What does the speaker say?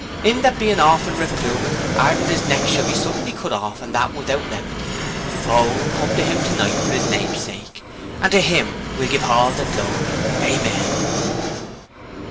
'Im that bein' orfen reproved 'ardeneth 'is neck shall be suddenly cut orf and that without remedy. Ho come to 'im tonight, for 'Is name's sake and to 'Im we'll give hall the glory. Amen.'